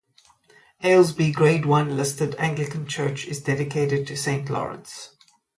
Aylesby Grade One listed Anglican church is dedicated to Saint Lawrence.